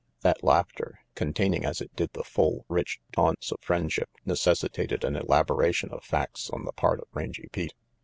That laughter, containing as it did the full, rich taunts of friendship, necessitated an elaboration of facts on the part of Rangy Pete.